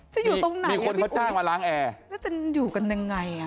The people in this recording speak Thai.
อยู่ตรงไหนมีคนเขาจ้างมาล้างแอร์แล้วจะอยู่กันยังไงอ่ะ